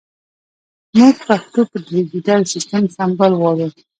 مونږ پښتو په ډیجېټل سیسټم سمبال غواړو